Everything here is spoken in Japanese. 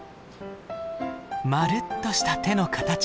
まるっとした手の形。